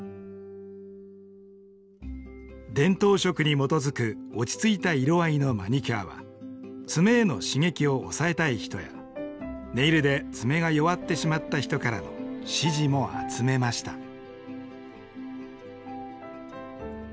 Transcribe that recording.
伝統色に基づく落ち着いた色合いのマニキュアは爪への刺激を抑えたい人やネイルで爪が弱ってしまった人からの支持も集めました。